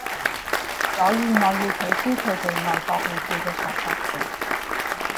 所以我要取消佢哋外國護照嘅重發權